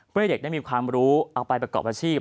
เพื่อให้เด็กได้มีความรู้เอาไปประกอบอาชีพ